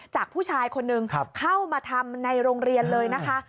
จากผู้ชายคนนึงเข้ามาทำในโรงเรียนเลยนะคะ